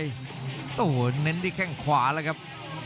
โอ้โหเน้นที่แข้งขวาแล้วครับ